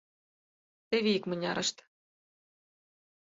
Теве икмынярышт: